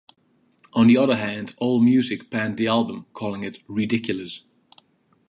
On the other hand, AllMusic panned the album, calling it "ridiculous".